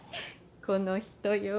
この人よ。